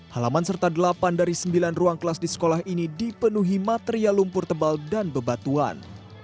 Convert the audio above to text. halaman serta delapan dari sembilan ruang kelas di sekolah ini dipenuhi material lumpur tebal dan bebatuan